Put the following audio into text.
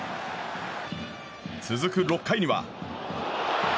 続く６回には。